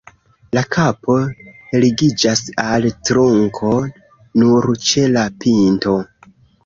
La kapo ligiĝas al trunko nur ĉe la pinto.